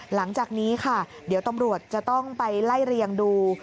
หลังจากนี้ค่ะเดี๋ยวตำรวจจะต้องไปไล่เรียงดู